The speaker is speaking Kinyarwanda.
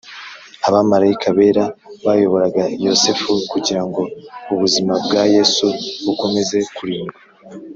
. Abamarayika bera bayoboraga Yosefu kugira ngo ubuzima bwa Yesu bukomeze kurindwa.